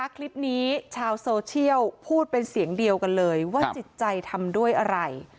คลิปนี้ชาวโซเชียลพูดเป็นเสียงเดียวกันเลยว่าจิตใจทำด้วยอะไร